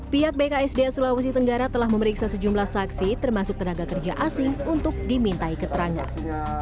pihak bksda sulawesi tenggara telah memeriksa sejumlah saksi termasuk tenaga kerja asing untuk dimintai keterangan